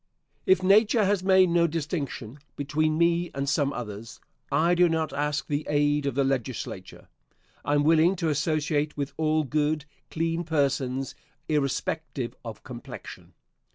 If nature has made no distinction between me and some others, I do not ask the aid of the Legislature. I am willing to associate with all good, clean persons, irrespective of complexion.